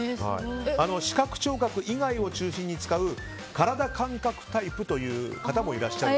視覚・聴覚以外を中心に使う体感覚タイプという方もいらっしゃる。